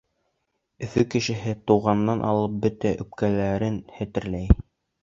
Өфө кешеһе тыуғандан алып бөтә үпкәләрен хәтерләй.